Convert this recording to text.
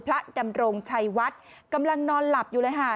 ดำรงชัยวัดกำลังนอนหลับอยู่เลยค่ะ